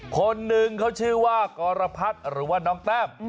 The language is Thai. คนหนึ่งเขาชื่อว่ากรพัฒน์หรือว่าน้องแต้ม